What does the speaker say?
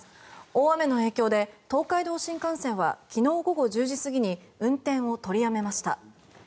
大雨の影響で東海道新幹線は昨日午後１０時過ぎに運転を取りやめました。